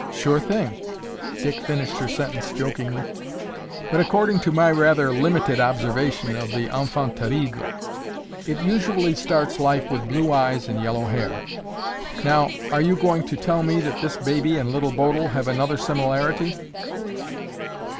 Sure thing!" Dick finished her sentence jokingly, "but, according to my rather limited observation of the infant terrible, it usually starts life with blue eyes and yellow hair. Now are you going to tell me that this baby and Little Bodil have another similarity?"